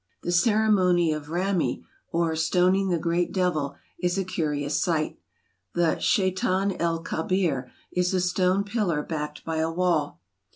The ceremony of Ramy, or " stoning the Great Devil," is a curious sight. The '' Shaytan el Kabir is a stone pil lar backed by a wall.